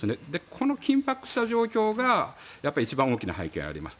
この緊迫した状況が一番大きな背景にあります。